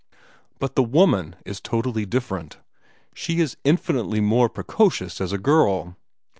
But the woman is totally different. She is infinitely more precocious as a girl.